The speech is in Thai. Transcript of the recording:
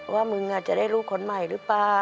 ว่ามึงจะได้ลูกคนใหม่หรือเปล่า